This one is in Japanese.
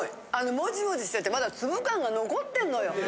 モチモチしててまだつぶ感が残ってんのよ。